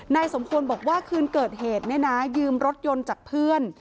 สมควรบอกว่าคืนเกิดเหตุเนี่ยนะยืมรถยนต์จากเพื่อน